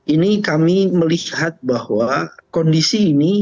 ini kami melihat bahwa kondisi ini